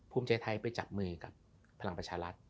ภูมิใจไทยไปจับมือกับพลังประชารัฐ